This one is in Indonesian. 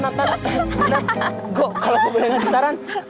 natra natra gue kalau gue boleh ngasih saran